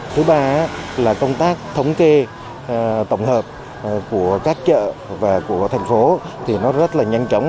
thứ ba là công tác thống kê tổng hợp của các chợ và của thành phố thì nó rất là nhanh chóng